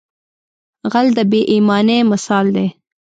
غل د بې ایمانۍ مثال دی